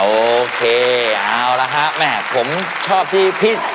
โอเคเอาละครับแหมผมชอบที่พี่